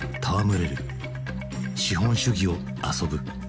資本主義を遊ぶ。